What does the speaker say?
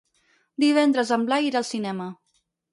Divendres en Blai irà al cinema.